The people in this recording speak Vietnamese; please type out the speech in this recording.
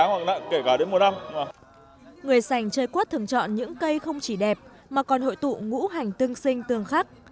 người sành chơi quất thường chọn những cây không chỉ đẹp mà còn hội tụ ngũ hành tương sinh tương khắc